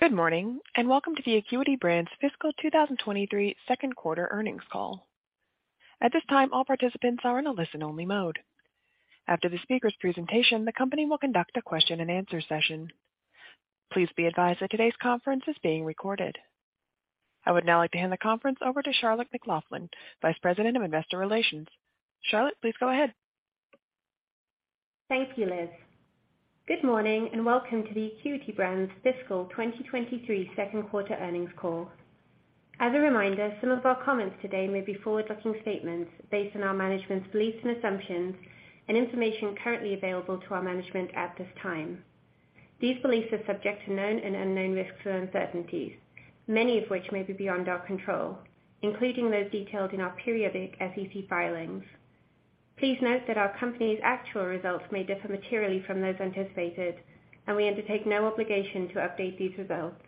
Good morning. Welcome to the Acuity Brands Fiscal 2023 Second Quarter Earnings call. At this time, all participants are in a listen-only mode. After the speaker's presentation, the company will conduct a question-and-answer session. Please be advised that today's conference is being recorded. I would now like to hand the conference over to Charlotte McLaughlin, Vice President of Investor Relations. Charlotte, please go ahead. Thank you, Liz. Good morning, and welcome to the Acuity Brands Fiscal 2023 Second Quarter Earnings Call. As a reminder, some of our comments today may be forward-looking statements based on our management's beliefs and assumptions and information currently available to our management at this time. These beliefs are subject to known and unknown risks and uncertainties, many of which may be beyond our control, including those detailed in our periodic SEC filings. Please note that our company's actual results may differ materially from those anticipated, and we undertake no obligation to update these results.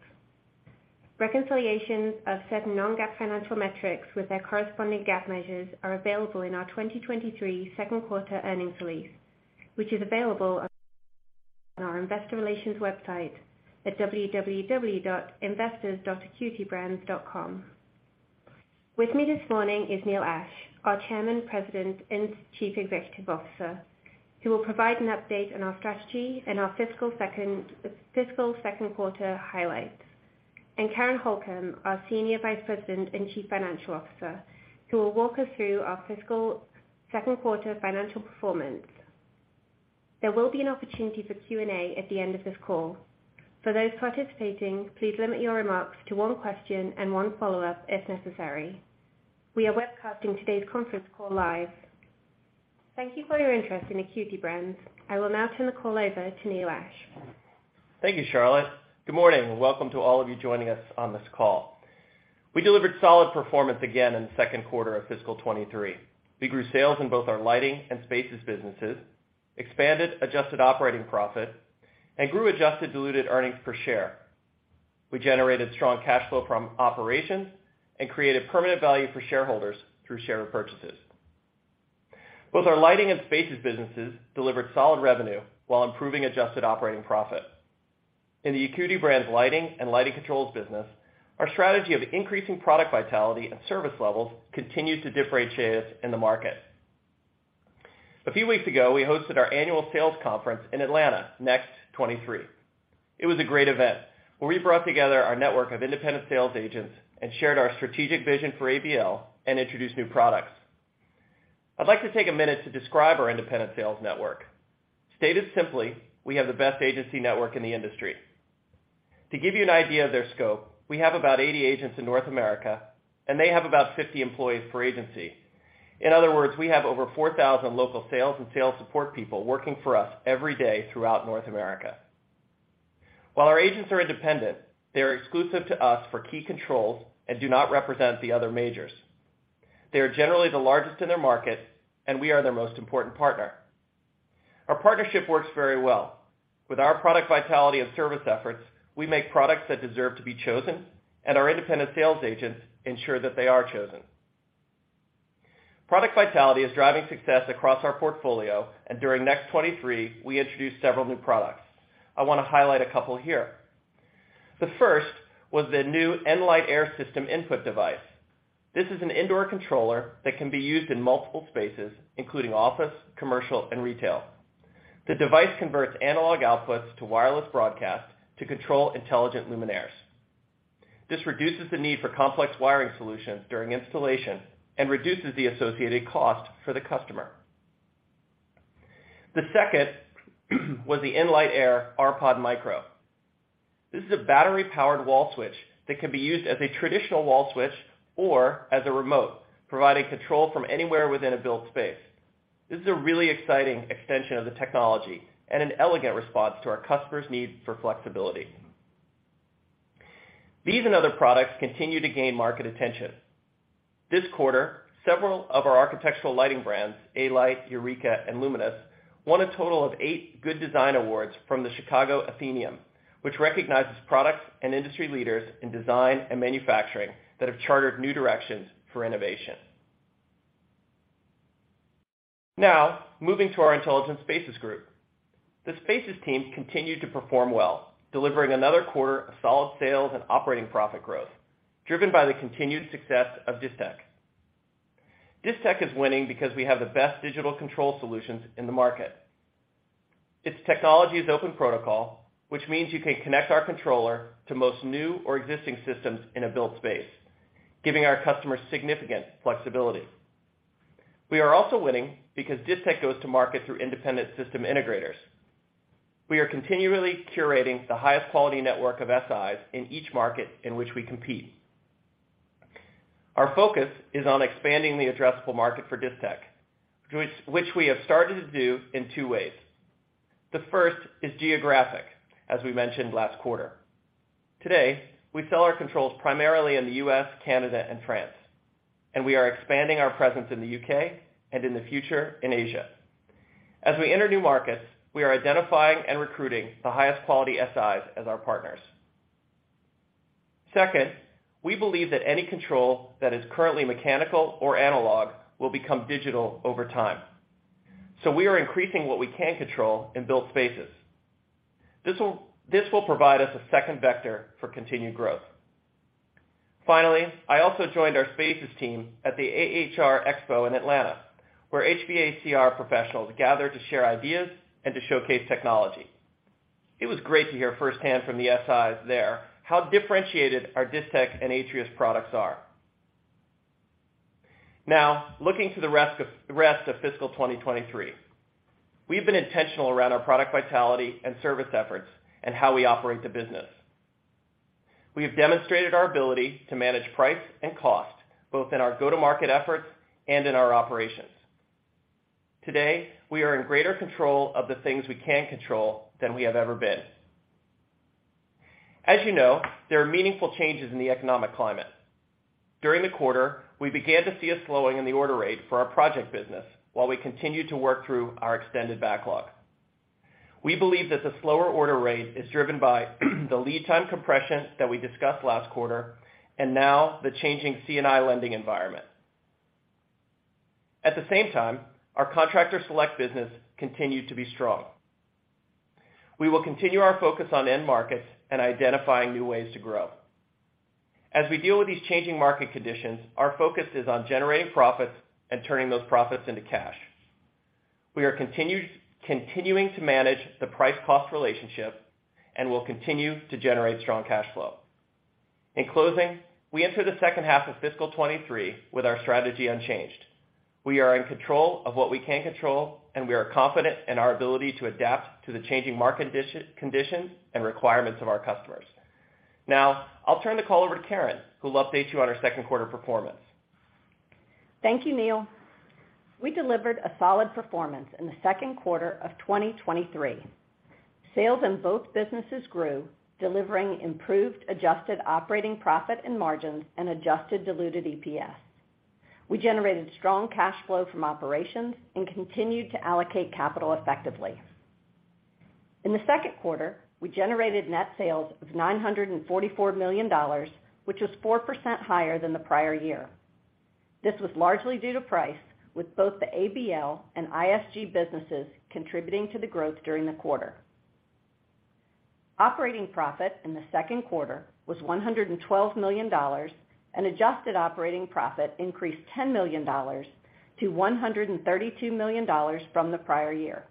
Reconciliations of certain non-GAAP financial metrics with their corresponding GAAP measures are available in our 2023 second quarter earnings release, which is available on our investor relations website at www.investors.acuitybrands.com. With me this morning is Neil Ashe, our Chairman, President, and Chief Executive Officer, who will provide an update on our strategy and our fiscal second quarter highlights. Karen Holcom, our Senior Vice President and Chief Financial Officer, who will walk us through our fiscal second quarter financial performance. There will be an opportunity for Q&A at the end of this call. For those participating, please limit your remarks to one question and one follow-up if necessary. We are webcasting today's conference call live. Thank you for your interest in Acuity Brands. I will now turn the call over to Neil Ashe. Thank you, Charlotte. Good morning. Welcome to all of you joining us on this call. We delivered solid performance again in the second quarter of fiscal 2023. We grew sales in both our lighting and spaces businesses, expanded adjusted operating profit, and grew adjusted diluted earnings per share. We generated strong cash flow from operations and created permanent value for shareholders through share purchases. Both our lighting and spaces businesses delivered solid revenue while improving adjusted operating profit. In the Acuity Brands Lighting and Lighting Controls business, our strategy of increasing product vitality and service levels continued to differentiate us in the market. A few weeks ago, we hosted our annual sales conference in Atlanta, NEXT '23. It was a great event, where we brought together our network of independent sales agents and shared our strategic vision for ABL and introduced new products. I'd like to take a minute to describe our independent sales network. Stated simply, we have the best agency network in the industry. To give you an idea of their scope, we have about 80 agents in North America, and they have about 50 employees per agency. In other words, we have over 4,000 local sales and sales support people working for us every day throughout North America. While our agents are independent, they are exclusive to us for key controls and do not represent the other majors. They are generally the largest in their market, and we are their most important partner. Our partnership works very well. With our product vitality and service efforts, we make products that deserve to be chosen, and our independent sales agents ensure that they are chosen. Product vitality is driving success across our portfolio, and during NEXT '23, we introduced several new products. I want to highlight a couple here. The first was the new nLight AIR system input device. This is an indoor controller that can be used in multiple spaces, including office, commercial, and retail. The device converts analog outputs to wireless broadcast to control intelligent luminaires. This reduces the need for complex wiring solutions during installation and reduces the associated cost for the customer. The second was the nLight AIR rPOD Micro. This is a battery-powered wall switch that can be used as a traditional wall switch or as a remote, providing control from anywhere within a built space. This is a really exciting extension of the technology and an elegant response to our customers' needs for flexibility. These and other products continue to gain market attention. This quarter, several of our architectural lighting brands, A-Light, Eureka, and Luminus, won a total of eight GOOD DESIGN Awards from The Chicago Athenaeum, which recognizes products and industry leaders in design and manufacturing that have chartered new directions for innovation. Now, moving to our Intelligent Spaces Group. The spaces team continued to perform well, delivering another quarter of solid sales and operating profit growth, driven by the continued success of Distech. Distech is winning because we have the best digital control solutions in the market. Its technology is open protocol, which means you can connect our controller to most new or existing systems in a built space, giving our customers significant flexibility. We are also winning because Distech goes to market through independent Systems Integrators. We are continually curating the highest quality network of SIs in each market in which we compete. Our focus is on expanding the addressable market for Distech, which we have started to do in two ways. The first is geographic, as we mentioned last quarter. Today, we sell our controls primarily in the U.S., Canada, and France, and we are expanding our presence in the U.K. and in the future in Asia. As we enter new markets, we are identifying and recruiting the highest quality SIs as our partners. Second, we believe that any control that is currently mechanical or analog will become digital over time. We are increasing what we can control in build spaces. This will provide us a second vector for continued growth. Finally, I also joined our spaces team at the AHR Expo in Atlanta, where HVACR professionals gathered to share ideas and to showcase technology. It was great to hear firsthand from the SIs there how differentiated our Distech and Atrius products are. Looking to the rest of fiscal 2023. We have been intentional around our product vitality and service efforts and how we operate the business. We have demonstrated our ability to manage price and cost, both in our go-to-market efforts and in our operations. Today, we are in greater control of the things we can control than we have ever been. As you know, there are meaningful changes in the economic climate. During the quarter, we began to see a slowing in the order rate for our project business while we continued to work through our extended backlog. We believe that the slower order rate is driven by the lead time compression that we discussed last quarter and now the changing C&I lending environment. At the same time, our Contractor Select business continued to be strong. We will continue our focus on end markets and identifying new ways to grow. As we deal with these changing market conditions, our focus is on generating profits and turning those profits into cash. We are continuing to manage the price-cost relationship and will continue to generate strong cash flow. In closing, we enter the second half of fiscal 2023 with our strategy unchanged. We are in control of what we can control. We are confident in our ability to adapt to the changing market conditions and requirements of our customers. I'll turn the call over to Karen, who will update you on our second quarter performance. Thank you, Neil. We delivered a solid performance in the second quarter of 2023. Sales in both businesses grew, delivering improved adjusted operating profit and margins and adjusted diluted EPS. We generated strong cash flow from operations and continued to allocate capital effectively. In the second quarter, we generated net sales of $944 million, which was 4% higher than the prior year. This was largely due to price, with both the ABL and ISG businesses contributing to the growth during the quarter. Operating profit in the second quarter was $112 million, and adjusted operating profit increased $10 million-$132 million from the prior year.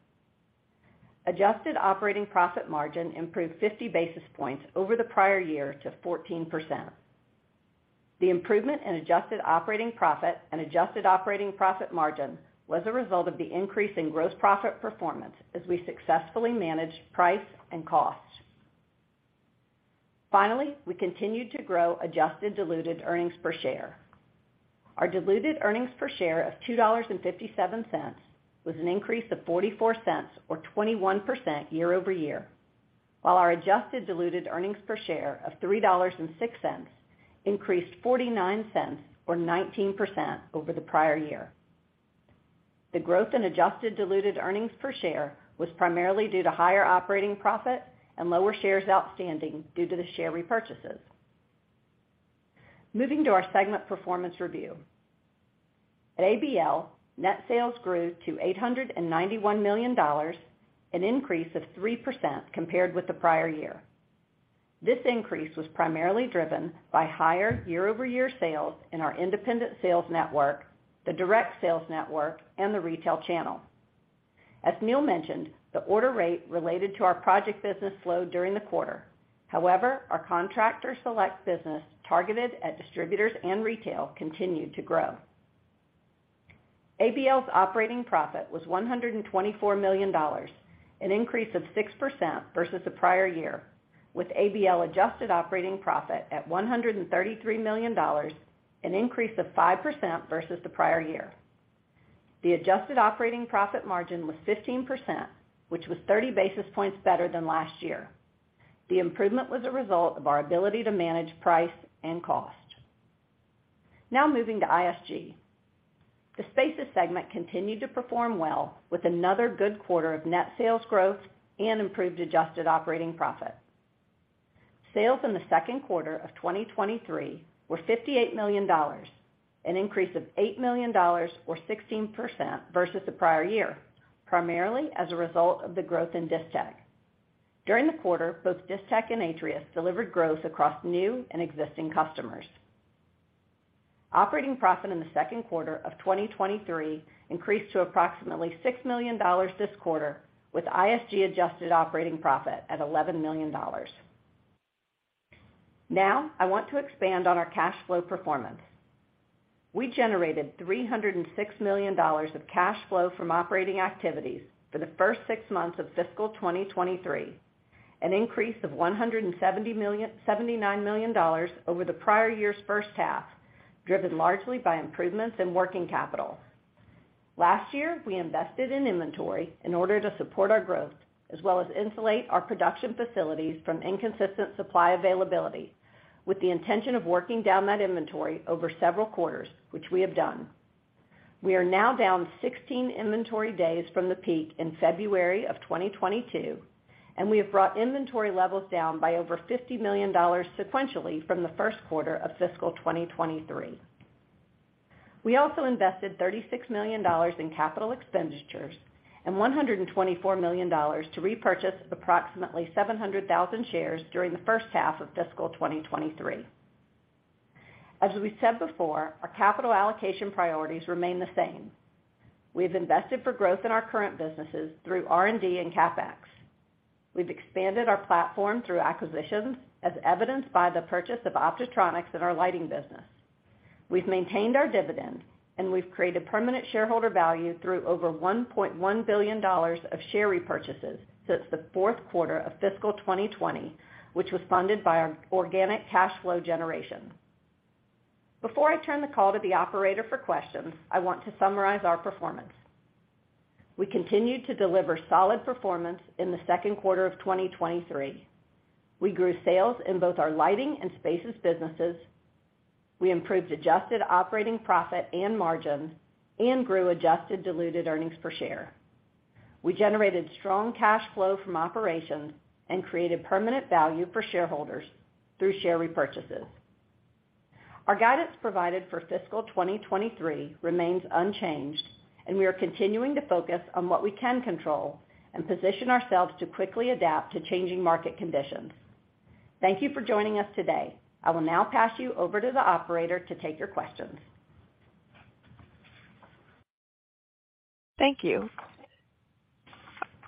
Adjusted operating profit margin improved 50 basis points over the prior year to 14%. The improvement in adjusted operating profit and adjusted operating profit margin was a result of the increase in gross profit performance as we successfully managed price and costs. Finally, we continued to grow adjusted diluted earnings per share. Our diluted earnings per share of $2.57 was an increase of $0.44 or 21% year-over-year, while our adjusted diluted earnings per share of $3.06 increased $0.49 or 19% over the prior year. The growth in adjusted diluted earnings per share was primarily due to higher operating profit and lower shares outstanding due to the share repurchases. Moving to our segment performance review. At ABL, net sales grew to $891 million, an increase of 3% compared with the prior year. This increase was primarily driven by higher year-over-year sales in our independent sales network, the direct sales network, and the retail channel. As Neil mentioned, the order rate related to our project business slowed during the quarter. However, our Contractor Select business targeted at distributors and retail continued to grow. ABL's operating profit was $124 million, an increase of 6% versus the prior year, with ABL adjusted operating profit at $133 million, an increase of 5% versus the prior year. The adjusted operating profit margin was 15%, which was 30 basis points better than last year. The improvement was a result of our ability to manage price and cost. Now moving to ISG. The Spaces segment continued to perform well with another good quarter of net sales growth and improved adjusted operating profit. Sales in the second quarter of 2023 were $58 million, an increase of $8 million or 16% versus the prior year, primarily as a result of the growth in Distech. During the quarter, both Distech and Atrius delivered growth across new and existing customers. Operating profit in the second quarter of 2023 increased to approximately $6 million this quarter, with ISG adjusted operating profit at $11 million. I want to expand on our cash flow performance. We generated $306 million of cash flow from operating activities for the first six months of fiscal 2023, an increase of $179 million over the prior year's first half, driven largely by improvements in working capital. Last year, we invested in inventory in order to support our growth, as well as insulate our production facilities from inconsistent supply availability, with the intention of working down that inventory over several quarters, which we have done. We are now down 16 inventory days from the peak in February of 2022, and we have brought inventory levels down by over $50 million sequentially from the first quarter of fiscal 2023. We also invested $36 million in capital expenditures and $124 million to repurchase approximately 700,000 shares during the first half of fiscal 2023. As we said before, our capital allocation priorities remain the same. We have invested for growth in our current businesses through R&D and CapEx. We've expanded our platform through acquisitions, as evidenced by the purchase of Optotronic in our lighting business. We've maintained our dividend, and we've created permanent shareholder value through over $1.1 billion of share repurchases since the fourth quarter of fiscal 2020, which was funded by our organic cash flow generation. Before I turn the call to the operator for questions, I want to summarize our performance. We continued to deliver solid performance in the second quarter of 2023. We grew sales in both our lighting and spaces businesses. We improved adjusted operating profit and margin and grew adjusted diluted earnings per share. We generated strong cash flow from operations and created permanent value for shareholders through share repurchases. Our guidance provided for fiscal 2023 remains unchanged, and we are continuing to focus on what we can control and position ourselves to quickly adapt to changing market conditions. Thank you for joining us today. I will now pass you over to the operator to take your questions. Thank you.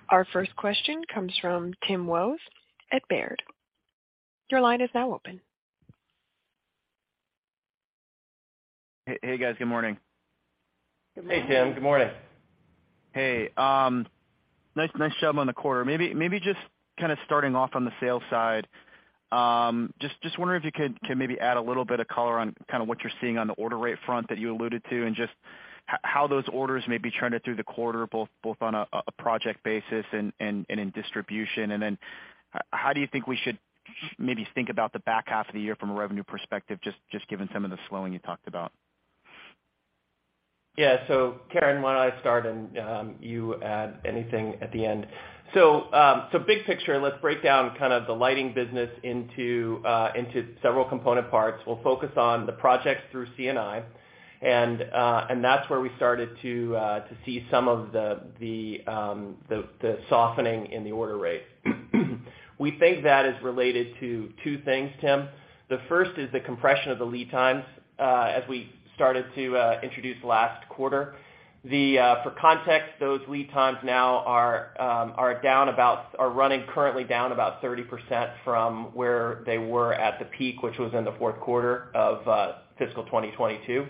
Our first question comes from Tim Wojs at Baird. Your line is now open. Hey, guys. Good morning. Good morning. Hey, Tim. Good morning. Hey. Nice job on the quarter. Maybe just kind of starting off on the sales side, just wondering if you could maybe add a little bit of color on kind of what you're seeing on the order rate front that you alluded to, and how those orders may be trending through the quarter, both on a project basis and in distribution. How do you think we should maybe think about the back half of the year from a revenue perspective, just given some of the slowing you talked about? Yeah. Karen, why don't I start and you add anything at the end. Big picture, let's break down kind of the lighting business into several component parts. We'll focus on the projects through C&I, that's where we started to see some of the softening in the order rate. We think that is related to two things, Tim. The first is the compression of the lead times, as we started to introduce last quarter. For context, those lead times now are running currently down about 30% from where they were at the peak, which was in the fourth quarter of fiscal 2022.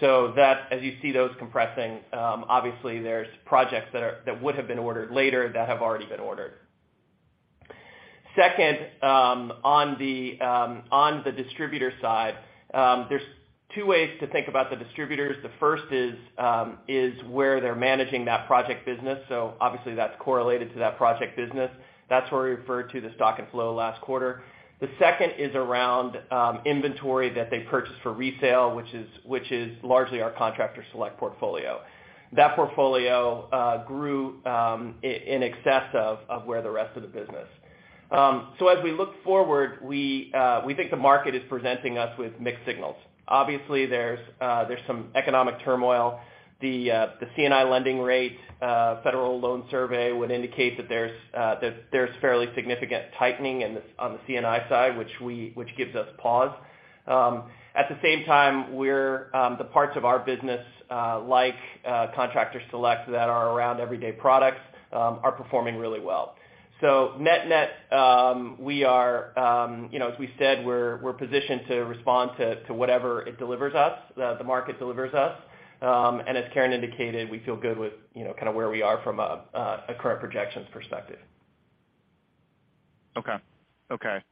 That as you see those compressing, obviously there's projects that would have been ordered later that have already been ordered. Second, on the distributor side, there's two ways to think about the distributors. The first is where they're managing that project business. Obviously that's correlated to that project business. That's where we referred to the stock and flow last quarter. The second is around inventory that they purchase for resale, which is largely our Contractor Select portfolio. That portfolio grew in excess of where the rest of the business. As we look forward, we think the market is presenting us with mixed signals. Obviously, there's some economic turmoil. The C&I lending rate, Federal Loan Survey would indicate that there's fairly significant tightening on the C&I side, which gives us pause. At the same time, we're the parts of our business, like Contractor Select that are around everyday products, are performing really well. Net-net, we are, you know, as we said, we're positioned to respond to whatever it delivers us, the market delivers us. As Karen indicated, we feel good with, you know, kind of where we are from a current projections perspective. Okay. Okay.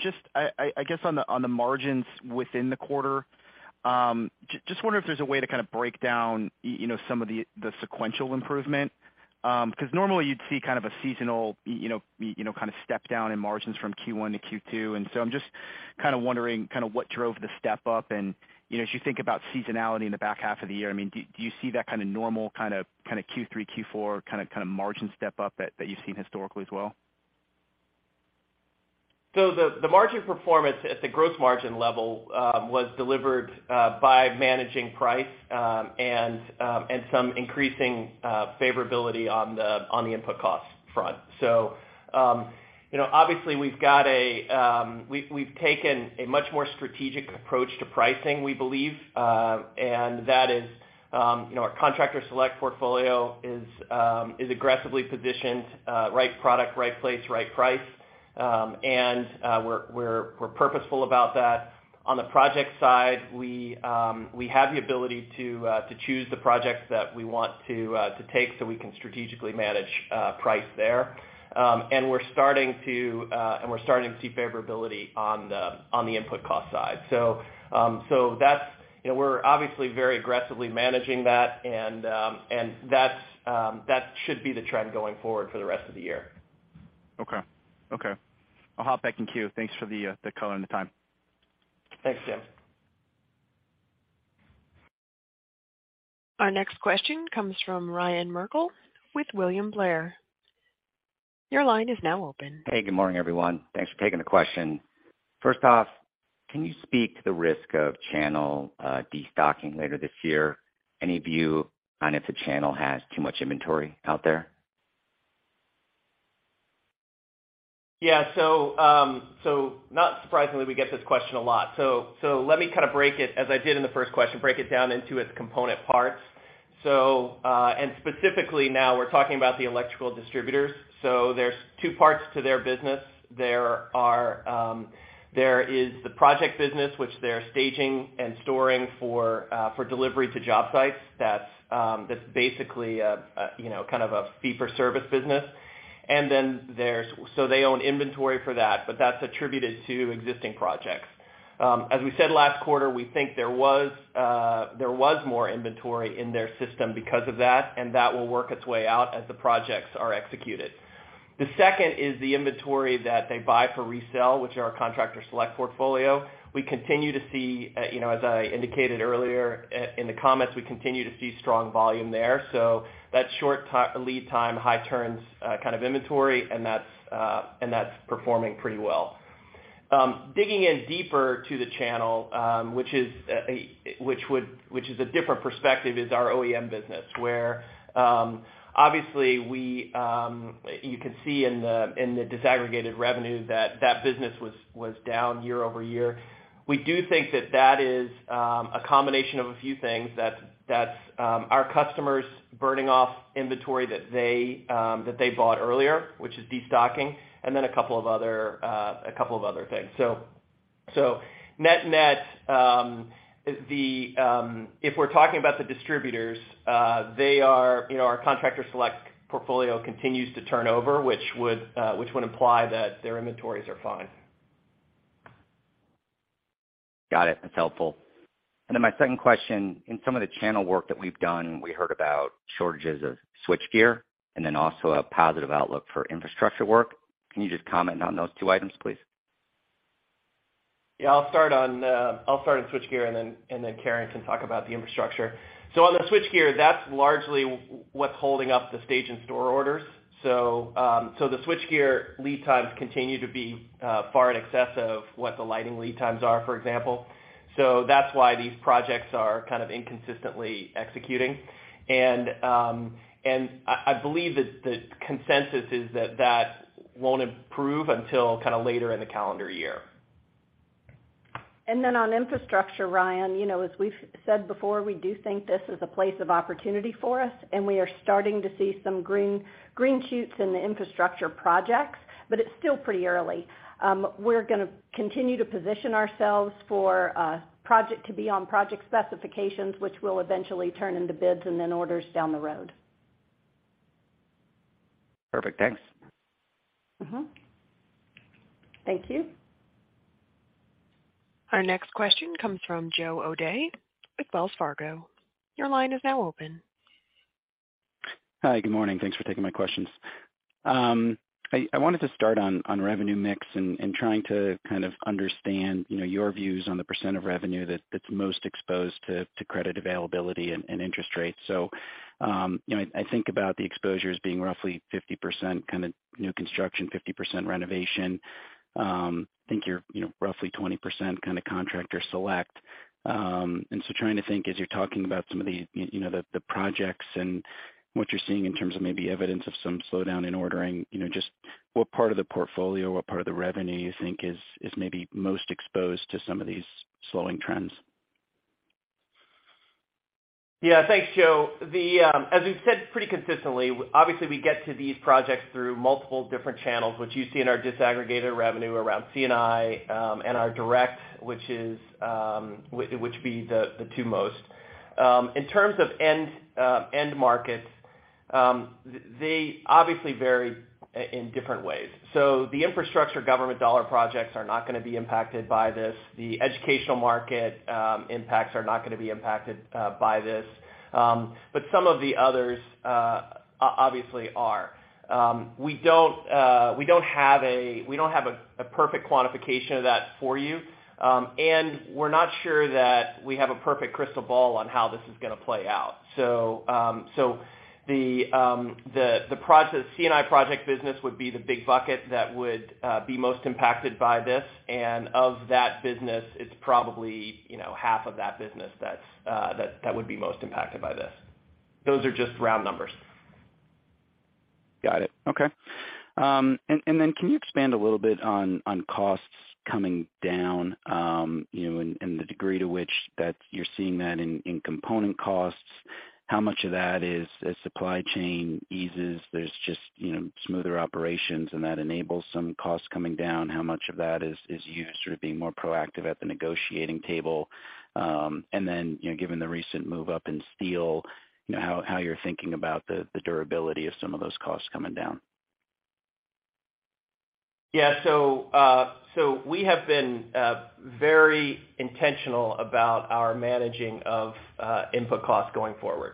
Just I guess on the margins within the quarter, just wonder if there's a way to kind of break down, you know, some of the sequential improvement. 'Cause normally you'd see kind of a seasonal, you know, kind of step down in margins from Q1 to Q2. I'm just kind of wondering kind of what drove the step up. You know, as you think about seasonality in the back half of the year, I mean, do you see that kind of normal kind of Q3, Q4 kind of margin step up that you've seen historically as well? The margin performance at the gross margin level was delivered by managing price and some increasing favorability on the input cost front. You know, obviously, we've taken a much more strategic approach to pricing, we believe, and that is, you know, our Contractor Select portfolio is aggressively positioned, right product, right place, right price. We're purposeful about that. On the project side, we have the ability to choose the projects that we want to take so we can strategically manage price there. We're starting to see favorability on the input cost side. That's, you know, we're obviously very aggressively managing that and that should be the trend going forward for the rest of the year. Okay. Okay. I'll hop back in queue. Thanks for the color and the time. Thanks, Tim. Our next question comes from Ryan Merkel with William Blair. Your line is now open. Hey, good morning, everyone. Thanks for taking the question. First off, can you speak to the risk of channel destocking later this year? Any view on if the channel has too much inventory out there? Not surprisingly, we get this question a lot. Let me kind of break it, as I did in the first question, down into its component parts. Specifically now we're talking about the electrical distributors. There's two parts to their business. There is the project business which they're staging and storing for delivery to job sites. That's basically a, you know, kind of a fee for service business. They own inventory for that, but that's attributed to existing projects. As we said last quarter, we think there was more inventory in their system because of that, and that will work its way out as the projects are executed. The second is the inventory that they buy for resell, which are our Contractor Select portfolio. We continue to see, you know, as I indicated earlier, in the comments, we continue to see strong volume there. That short lead time, high turns, kind of inventory and that's performing pretty well. Digging in deeper to the channel, which is a different perspective is our OEM business, where obviously we, you can see in the, in the disaggregated revenue that business was down year-over-year. We do think that is a combination of a few things, that's our customers burning off inventory that they bought earlier, which is destocking and then a couple of other things. Net-net, the, if we're talking about the distributors, they are, you know, our Contractor Select portfolio continues to turn over, which would imply that their inventories are fine. Got it. That's helpful. My second question. In some of the channel work that we've done, we heard about shortages of switchgear and then also a positive outlook for infrastructure work. Can you just comment on those two items, please? Yeah, I'll start on switchgear and then Karen can talk about the infrastructure. On the switchgear, that's largely what's holding up the stage and store orders. The switchgear lead times continue to be far in excess of what the lighting lead times are, for example. That's why these projects are kind of inconsistently executing. I believe that the consensus is that that won't improve until kind of later in the calendar year. On infrastructure, Ryan, you know, as we've said before, we do think this is a place of opportunity for us, and we are starting to see some green shoots in the infrastructure projects, but it's still pretty early. We're gonna continue to position ourselves for project to be on project specifications, which will eventually turn into bids and then orders down the road. Perfect. Thanks. Mm-hmm. Thank you. Our next question comes from Joe O'Dea with Wells Fargo. Your line is now open. Hi, good morning. Thanks for taking my questions. I wanted to start on revenue mix and trying to kind of understand, you know, your views on the percent of revenue that's most exposed to credit availability and interest rates. I think about the exposures being roughly 50% kinda new construction, 50% renovation. I think you're, you know, roughly 20% kinda Contractor Select. Trying to think as you're talking about some of the, you know, the projects and what you're seeing in terms of maybe evidence of some slowdown in ordering, you know, just what part of the portfolio, what part of the revenue you think is maybe most exposed to some of these slowing trends? Thanks, Joe. As we've said pretty consistently, obviously we get to these projects through multiple different channels, which you see in our disaggregated revenue around C&I, and our direct, which would be the two most. In terms of end markets, they obviously vary in different ways. The infrastructure government dollar projects are not gonna be impacted by this. The educational market impacts are not gonna be impacted by this. Some of the others obviously are. We don't have a perfect quantification of that for you. We're not sure that we have a perfect crystal ball on how this is gonna play out. The C&I project business would be the big bucket that would be most impacted by this. Of that business, it's probably, you know, half of that business that's that would be most impacted by this. Those are just round numbers. Got it. Okay. And then can you expand a little bit on costs coming down, you know, and the degree to which that you're seeing that in component costs? How much of that is as supply chain eases, there's just, you know, smoother operations, and that enables some costs coming down? How much of that is you sort of being more proactive at the negotiating table? Then, you know, given the recent move up in steel, you know, how you're thinking about the durability of some of those costs coming down? Yeah. We have been very intentional about our managing of input costs going forward.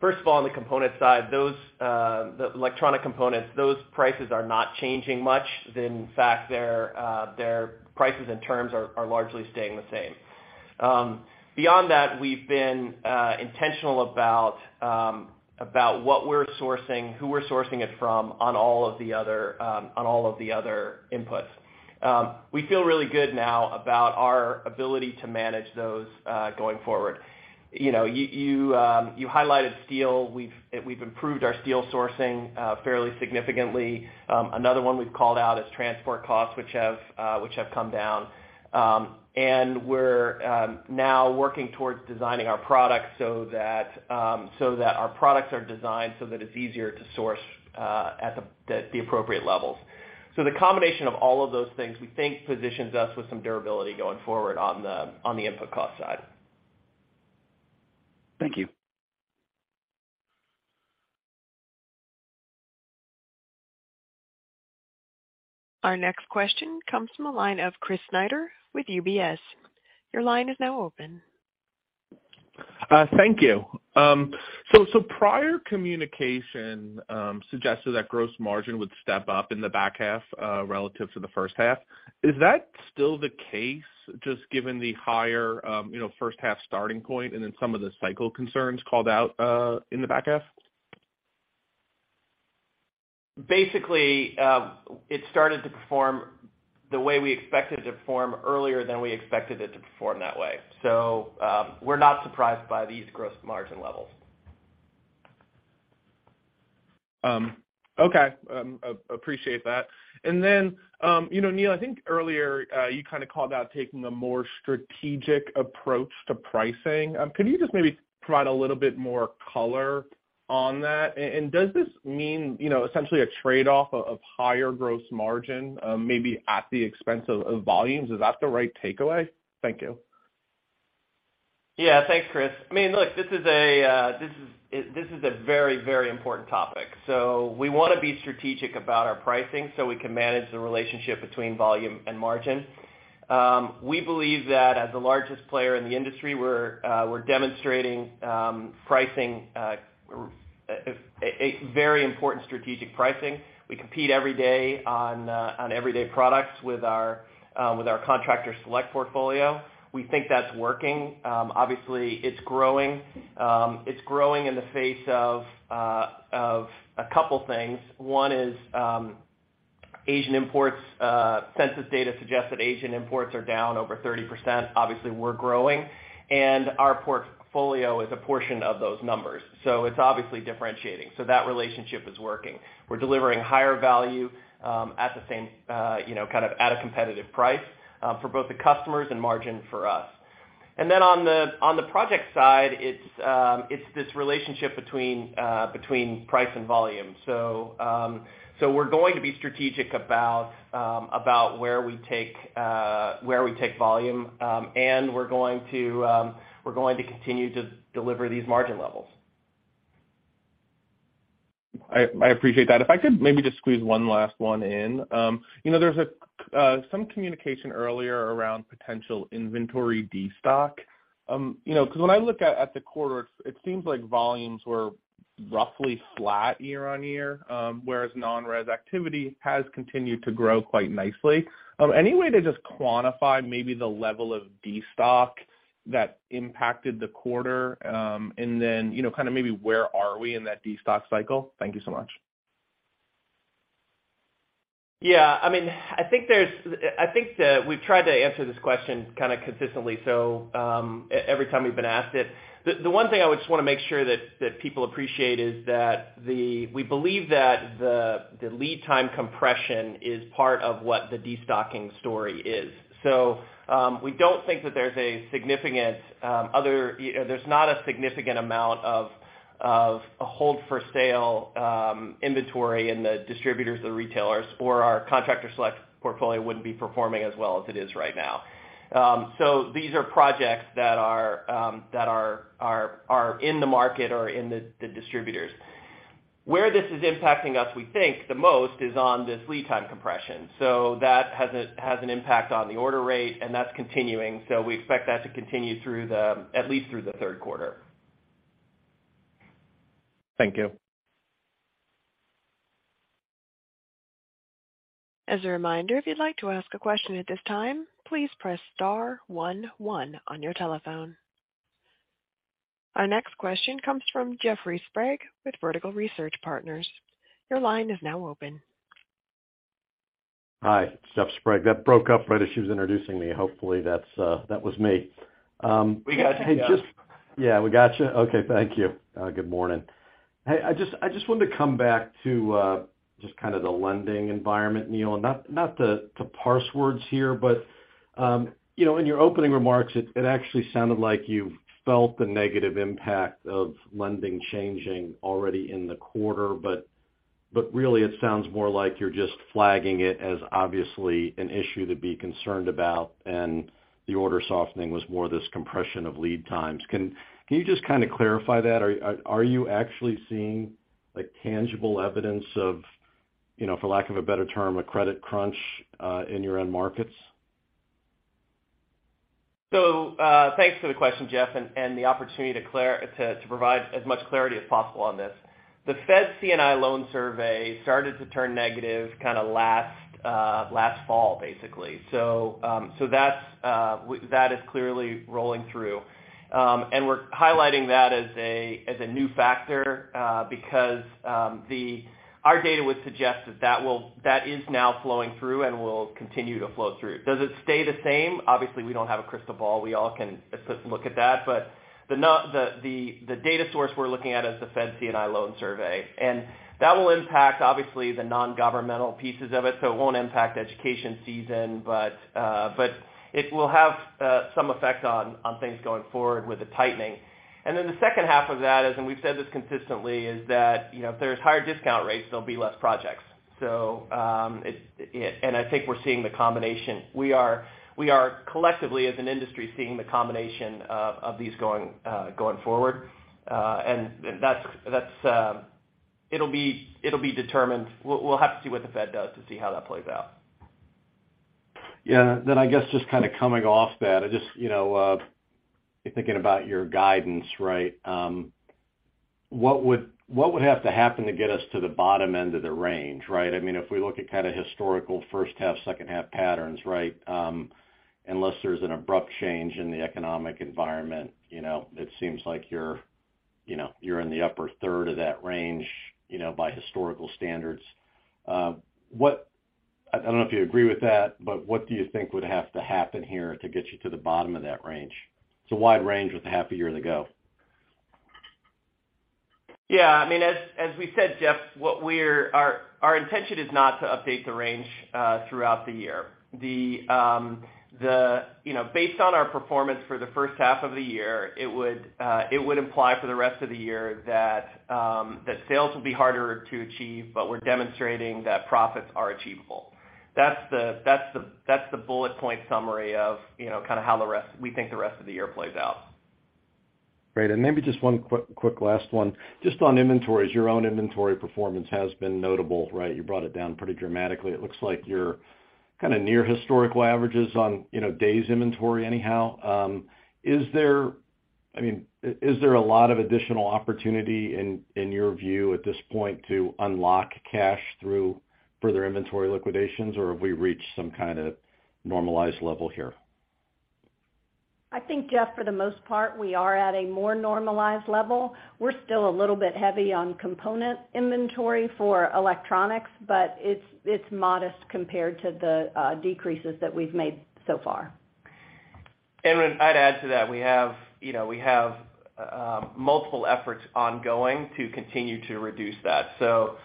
First of all, on the component side, those, the electronic components, those prices are not changing much. In fact, their prices and terms are largely staying the same. Beyond that, we've been intentional about what we're sourcing, who we're sourcing it from on all of the other inputs. We feel really good now about our ability to manage those going forward. You know, you highlighted steel. We've improved our steel sourcing fairly significantly. Another one we've called out is transport costs, which have come down. We're now working towards designing our products so that our products are designed so that it's easier to source at the appropriate levels. The combination of all of those things, we think positions us with some durability going forward on the input cost side. Thank you. Our next question comes from the line of Chris Snyder with UBS. Your line is now open. Thank you. Prior communication suggested that gross margin would step up in the back half relative to the first half. Is that still the case, just given the higher, you know, first half starting point and then some of the cycle concerns called out in the back half? Basically, it started to perform the way we expected it to perform earlier than we expected it to perform that way. We're not surprised by these gross margin levels. Okay. Appreciate that. You know, Neil, I think earlier, you kinda called out taking a more strategic approach to pricing. Could you just maybe provide a little bit more color on that? Does this mean, you know, essentially a trade-off of higher gross margin, maybe at the expense of volumes? Is that the right takeaway? Thank you. Yeah. Thanks, Chris. I mean, look, this is a very, very important topic. We wanna be strategic about our pricing so we can manage the relationship between volume and margin. We believe that as the largest player in the industry, we're demonstrating a very important strategic pricing. We compete every day on everyday products with our Contractor Select portfolio. We think that's working. Obviously, it's growing. It's growing in the face of a couple things. One is Asian imports. Census data suggests that Asian imports are down over 30%. Obviously, we're growing, and our portfolio is a portion of those numbers, so it's obviously differentiating. That relationship is working. We're delivering higher value, you know, kind of at a competitive price, for both the customers and margin for us. On the, on the project side, it's this relationship between price and volume. We're going to be strategic about where we take volume, and we're going to continue to deliver these margin levels. I appreciate that. If I could maybe just squeeze one last one in. You know, there's some communication earlier around potential inventory destock. You know, 'cause when I look at the quarter, it seems like volumes were roughly flat year-on-year, whereas non-res activity has continued to grow quite nicely. Any way to just quantify maybe the level of destock that impacted the quarter? You know, kind of maybe where are we in that destock cycle? Thank you so much. Yeah. I mean, I think there's, I think we've tried to answer this question kinda consistently, so, every time we've been asked it. The one thing I would just wanna make sure that people appreciate is that we believe that the lead time compression is part of what the destocking story is. We don't think that there's a significant, other, you know, there's not a significant amount of a hold for sale, inventory in the distributors or retailers or our Contractor Select portfolio wouldn't be performing as well as it is right now. These are projects that are, that are in the market or in the distributors. Where this is impacting us, we think the most is on this lead time compression. That has an impact on the order rate, and that's continuing. We expect that to continue through the, at least through the third quarter. Thank you. As a reminder, if you'd like to ask a question at this time, please press star one one on your telephone. Our next question comes from Jeffrey Sprague with Vertical Research Partners. Your line is now open. Hi, Jeff Sprague. That broke up right as she was introducing me. Hopefully that's, that was me. We got you, Jeff. Hey, just... Yeah, we got you? Okay, thank you. Good morning. Hey, I just wanted to come back to just kind of the lending environment, Neil. Not to parse words here, you know, in your opening remarks, it actually sounded like you felt the negative impact of lending changing already in the quarter. Really, it sounds more like you're just flagging it as obviously an issue to be concerned about, and the order softening was more this compression of lead times. Can you just kinda clarify that? Are you actually seeing, like, tangible evidence of, you know, for lack of a better term, a credit crunch in your end markets? Thanks for the question, Jeff, and the opportunity to provide as much clarity as possible on this. The Fed C&I Loan Survey started to turn negative kinda last fall, basically. That is clearly rolling through. And we're highlighting that as a new factor because our data would suggest that that is now flowing through and will continue to flow through. Does it stay the same? Obviously, we don't have a crystal ball. We all can look at that. The data source we're looking at is the Fed C&I Loan Survey, and that will impact, obviously, the nongovernmental pieces of it, so it won't impact education season. It will have some effect on things going forward with the tightening. The second half of that is, and we've said this consistently, is that, you know, if there's higher discount rates, there'll be less projects. I think we're seeing the combination. We are collectively, as an industry, seeing the combination of these going forward. It'll be determined. We'll have to see what the Fed does to see how that plays out. Yeah. I guess just kinda coming off that. I just, you know, thinking about your guidance, right? What would have to happen to get us to the bottom end of the range, right? I mean, if we look at kinda historical first half, second half patterns, right? Unless there's an abrupt change in the economic environment, you know, it seems like you're, you know, you're in the upper third of that range, you know, by historical standards. What I don't know if you agree with that, but what do you think would have to happen here to get you to the bottom of that range? It's a wide range with half a year to go. Yeah. I mean, as we said, Jeff, Our intention is not to update the range throughout the year. You know, based on our performance for the first half of the year, it would imply for the rest of the year that sales will be harder to achieve, but we're demonstrating that profits are achievable. That's the bullet point summary of, you know, kinda how we think the rest of the year plays out. Great. Maybe just one quick last one. Just on inventories. Your own inventory performance has been notable, right? You brought it down pretty dramatically. It looks like you're kinda near historical averages on, you know, days inventory anyhow. I mean, is there a lot of additional opportunity in your view at this point to unlock cash through further inventory liquidations, or have we reached some kinda normalized level here? I think, Jeff, for the most part, we are at a more normalized level. We're still a little bit heavy on component inventory for electronics, but it's modest compared to the decreases that we've made so far. I'd add to that. We have, you know, we have multiple efforts ongoing to continue to reduce that. So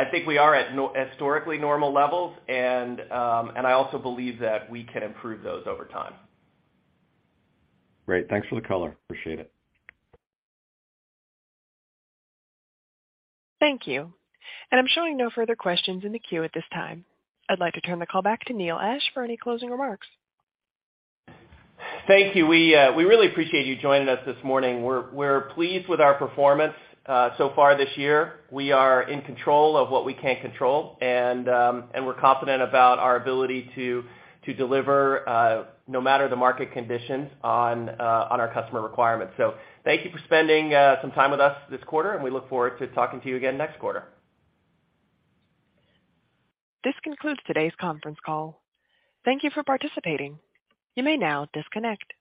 I think we are at historically normal levels, and I also believe that we can improve those over time. Great. Thanks for the color. Appreciate it. Thank you. I'm showing no further questions in the queue at this time. I'd like to turn the call back to Neil Ashe for any closing remarks. Thank you. We really appreciate you joining us this morning. We're pleased with our performance so far this year. We are in control of what we can control, and we're confident about our ability to deliver no matter the market conditions on our customer requirements. Thank you for spending some time with us this quarter, and we look forward to talking to you again next quarter. This concludes today's conference call. Thank you for participating. You may now disconnect.